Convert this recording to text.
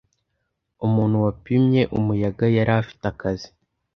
umuntu wapimye umuyaga - yari afite akazi